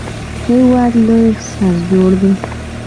هېواد له احساس جوړ دی